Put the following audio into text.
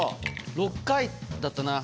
６回だったな。